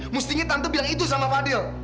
mestinya tante bilang itu sama fadil